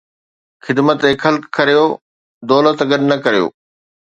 خدمت خلق ڪريو، دولت گڏ نه ڪريو